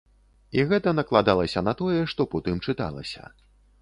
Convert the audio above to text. І гэта накладалася на тое, што потым чыталася.